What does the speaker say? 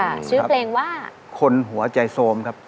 ชื่อเพลงว่าคนหัวใจโทรมครับ